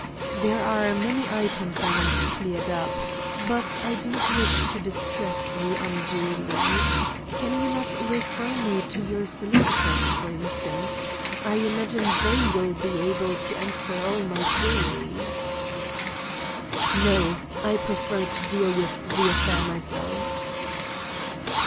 "There are many items I want cleared up, but I do not wish to distress you unduly. Can you not refer me to your solicitors, for instance? I imagine they will be able to answer all my queries." "No. I prefer to deal with the affair myself."